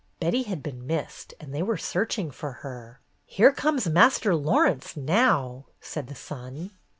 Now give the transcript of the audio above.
Betty had been missed, and they were searching for her. "Here comes Master Laurence now,'^ said the son.